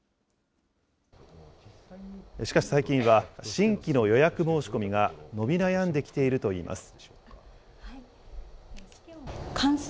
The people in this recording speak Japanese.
しかし、最近は新規の予約申し込みが伸び悩んできているといいます。